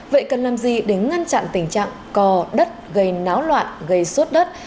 vậy cần làm gì để ngăn chặn tình trạng co đất gây náo loạn gây suốt đất